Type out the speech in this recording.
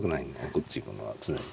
こっち行くのは常に。